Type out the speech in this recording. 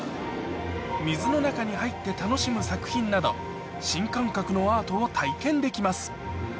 水の中に入って楽しむ作品など新感覚のアートを体験できます